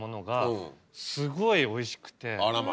あらまぁ。